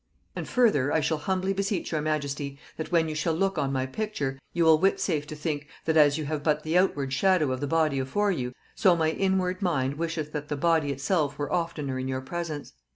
And further, I shall humbly beseech your majesty, that when you shall look on my picture, you will witsafe to think, that as you have but the outward shadow of the body afore you, so my inward mind wisheth that the body itself were oftener in your presence.